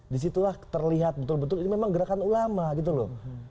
disitulah terlihat betul betul ini memang gerakan ulama gitu loh